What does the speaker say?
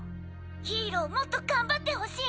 ヒーローもっと頑張ってほしい。